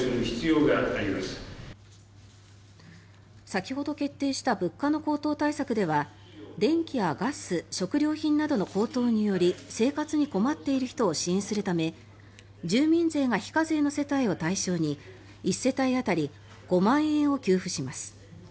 先ほど決定した物価の高騰対策では電気やガス、食料品などの高騰により生活に困っている人を支援するため住民税が非課税の世帯を対象に１世帯当たり５万円を給付します。